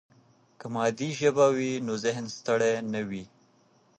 که مادي ژبه وي، نو ذهن ستړي نه وي.